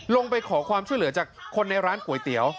ลงไปขอความช่วยเหลือจากคนในร้านก๋วยเตี๋ยว